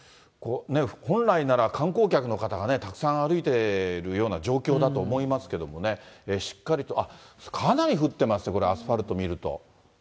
本来なら観光客の方がたくさん歩いてるような状況だと思いますけれどもね、しっかりと、あっ、かなり降ってますね、アスファルト見ると。